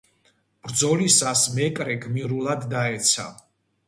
ბრძოლისას მეკრე გმირულად დაეცა.